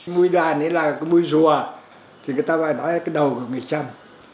mùi đàn ấy là cái mùi rùa thì người ta phải nói cái đầu của người chăm